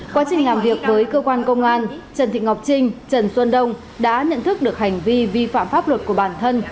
quá trình làm việc với cơ quan công an trần thị ngọc trinh trần xuân đông đã nhận thức được hành vi vi phạm pháp luật của bản thân